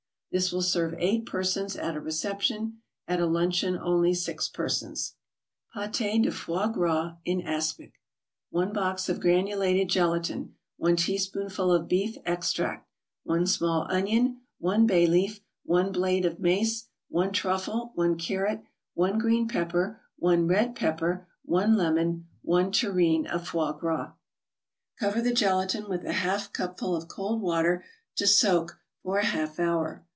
This will serve eight persons at a reception. At a luncheon only six persons. PATE DE FOIE GRAS IN ASPIC 1 box of granulated gelatin 1 teaspoonful of beef extract 1 small onion 1 bay leaf 1 blade of mace 1 truffle 1 carrot 1 green pepper 1 red pepper 1 lemon 1 tureen of foie gras Cover the gelatin with a half cupful of cold water to soak for a half hour.